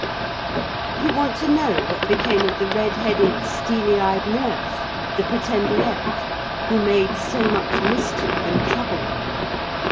....... You want to know what became of the redheaded, steely eyed nurse, the Pretenderette, who made so much mischief and trouble?